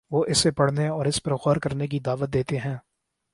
وہ اسے پڑھنے اور اس پر غور کرنے کی دعوت دیتے ہیں۔